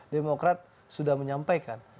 demokrat sudah menyampaikan